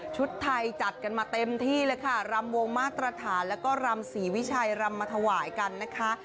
ชุดไทยจัดกันมาเต็มที่เลยค่ะรำวงมาตรฐานแล้วก็รำศรีวิชัยรำมาถวายกันนะคะ